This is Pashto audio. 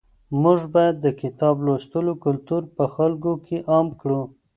موږ باید د کتاب لوستلو کلتور په خلکو کې عام کړو.